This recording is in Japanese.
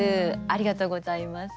ありがとうございます。